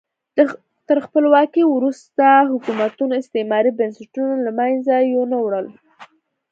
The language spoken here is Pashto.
تر خپلواکۍ وروسته حکومتونو استعماري بنسټونه له منځه یو نه وړل.